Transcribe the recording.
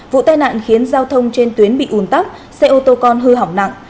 vụ tai nạn khiến giao thông trên tuyến bị ùn tắc xe ô tô con hư hỏng nặng